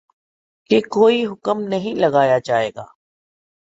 کہ کوئی حکم نہیں لگایا جائے گا